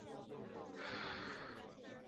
小水鼠属等之数种哺乳动物。